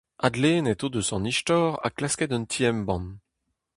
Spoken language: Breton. Adlennet o deus an istor ha klasket un ti-embann.